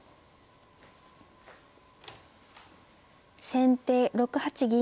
先手６八銀。